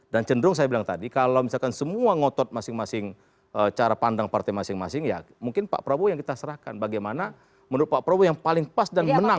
dan cenderung saya bilang tadi kalau misalkan semua ngotot masing masing cara pandang partai masing masing ya mungkin pak prabowo yang kita serahkan bagaimana menurut pak prabowo yang paling pas dan menang